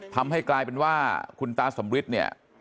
ทำให้กลายเป็นว่าคุณตาสมฤทธิ์เนี่ย